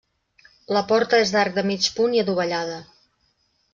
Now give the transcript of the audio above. La porta és d'arc de mig punt i adovellada.